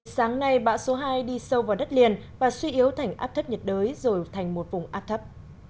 sáng nay bão số hai đi sâu vào đất liền và suy yếu thành áp thấp nhiệt đới rồi thành một vùng áp thấp